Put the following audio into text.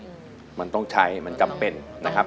มันต้องใช้มันจำเป็นนะครับ